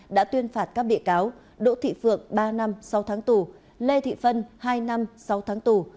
đã tuyên phạt các bị cáo đỗ thị phượng ba năm sáu tháng tù lê thị phân hai năm sáu tháng tù